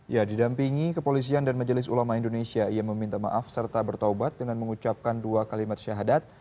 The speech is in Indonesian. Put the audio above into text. ya didampingi kepolisian dan majelis ulama indonesia ia meminta maaf serta bertaubat dengan mengucapkan dua kalimat syahadat